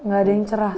gak ada yang cerah